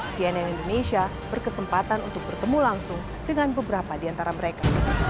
cnn indonesia berkesempatan untuk bertemu langsung dengan beberapa di antara mereka